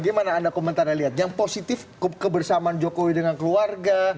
gimana anda komentarnya lihat yang positif kebersamaan jokowi dengan keluarga